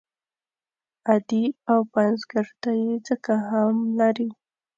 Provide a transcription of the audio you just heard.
ادیب او پنځګر ته یې ځکه هم لري.